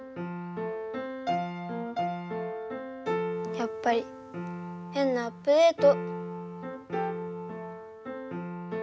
やっぱりへんなアップデート。